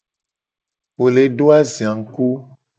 Wo le do azia ngku.